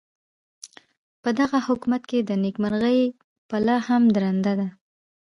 پدغه حکومت کې د نیکمرغۍ پله هم درنده ده.